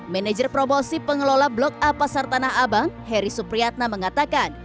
manager promosi pengelola blok a pasar tanah abang heri supriyatna mengatakan